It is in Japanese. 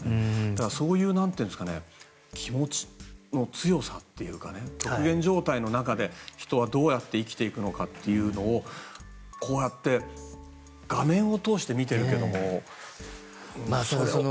だから、そういう気持ちの強さっていうか極限状態の中で人はどうやって生きていくかをこうやって画面を通して見ているけども。